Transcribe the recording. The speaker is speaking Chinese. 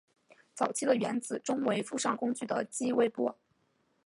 早期的原子钟为附上工具的激微波。